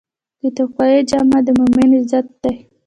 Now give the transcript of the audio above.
د تقوی جامه د مؤمن عزت دی.